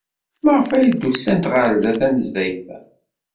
Maɣef ay d-usant ɣer da tanezzayt-a?